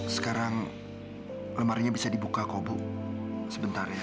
sekarang lemarinya bisa dibuka kok bu sebentar ya